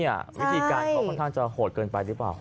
คือวิธีกาลก็ค่อนข้างจะโหดเกินไปรึเปล่า